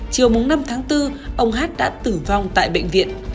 chiều năm tháng bốn ông hát đã tử vong tại bệnh viện